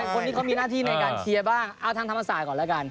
คนที่เขามีหน้าที่ในการเชียร์บ้างเอาทางธรรมศาสตร์ก่อนแล้วกัน